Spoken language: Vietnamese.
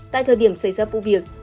tại thời điểm xảy ra vụ việc